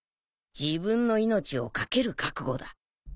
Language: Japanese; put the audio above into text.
自分の命をかける覚悟だ